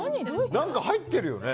何か入ってるよね。